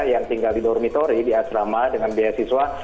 yang tinggal di dormitori di asrama dengan beasiswa